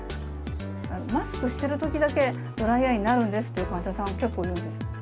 マスクしてるときだけ、ドライアイになるんですっていう患者さん、結構いるんです。